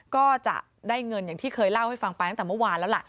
ก็จะได้เงินอย่างที่เคยเล่าให้ฟังไปตั้งแต่เมื่อวานแล้วล่ะ